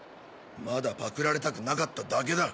まだパクられたくなかっただけだ。